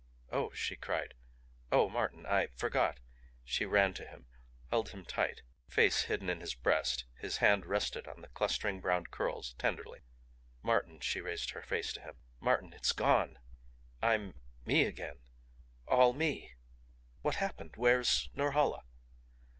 "Oh!" she cried. "Oh, Martin I forgot " She ran to him, held him tight, face hidden in his breast. His hand rested on the clustering brown curls, tenderly. "Martin." She raised her face to him. "Martin, it's GONE! I'm ME again! All ME! What happened? Where's Norhala?"